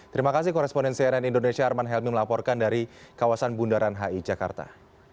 terima kasih koresponden cnn indonesia arman helmi melaporkan dari kawasan bundaran hi jakarta